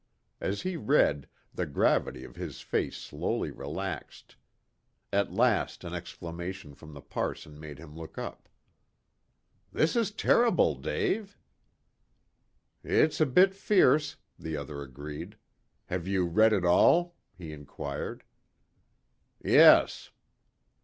As he read, the gravity of his face slowly relaxed. At last an exclamation from the parson made him look up. "This is terrible, Dave!" "It's a bit fierce," the other agreed. "Have you read it all?" he inquired. "Yes."